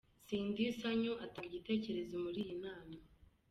Cindy Sanyu atanga igitekerezo muri iyi nama.